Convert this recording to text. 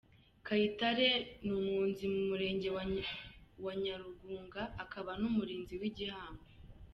Kayitare ni umwunzi mu Murenge wa Nyarugunga, akaba n’umurinzi w’igihango.